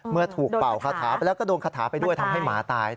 เมื่อถูกเป่าคาถาไปแล้วก็โดนคาถาไปด้วยทำให้หมาตาย